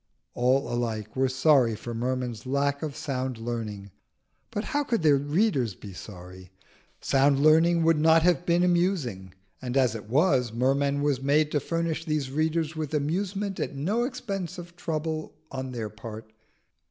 All alike were sorry for Merman's lack of sound learning, but how could their readers be sorry? Sound learning would not have been amusing; and as it was, Merman was made to furnish these readers with amusement at no expense of trouble on their part.